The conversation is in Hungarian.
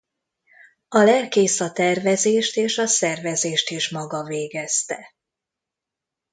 A lelkész a tervezést és a szervezést is maga végezte.